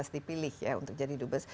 dipilih ya untuk jadi dubes